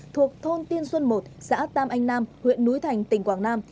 thuộc thôn tiên xuân một xã tam anh nam huyện núi thành tỉnh quảng nam